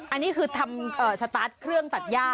อันนี้คือทำสตาร์ทเครื่องตัดย่า